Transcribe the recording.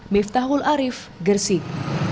miftahul arif gresik